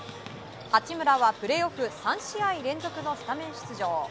八村はプレーオフ３試合連続のスタメン出場。